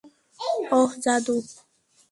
ওহ, জাদু!